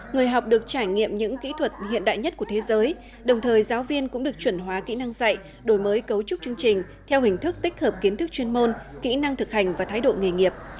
người học được trải nghiệm những kỹ thuật hiện đại nhất của thế giới đồng thời giáo viên cũng được chuẩn hóa kỹ năng dạy đổi mới cấu trúc chương trình theo hình thức tích hợp kiến thức chuyên môn kỹ năng thực hành và thái độ nghề nghiệp